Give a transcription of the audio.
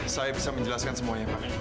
saya bisa menjelaskan semuanya pak